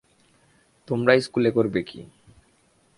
তোমরা ইস্কুল করবে কী!